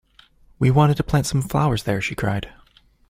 ‘We wanted to plant some flowers there,’ she cried.